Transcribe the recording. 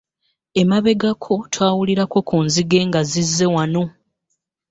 Emabegako twawulirako ku nzige nga zizze wano.